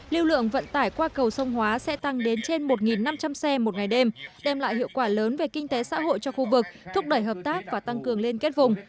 lưu lượng vận tải qua cầu sông hóa sẽ tăng đến trên một năm trăm linh xe một ngày đêm đem lại hiệu quả lớn về kinh tế xã hội cho khu vực thúc đẩy hợp tác và tăng cường liên kết vùng